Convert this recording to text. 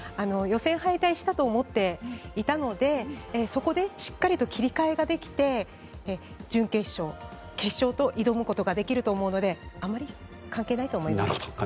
予選敗退したと思っていたのでそこでしっかり切り替えができて準決勝、決勝と挑むことができると思いますのであまり関係ないと思います。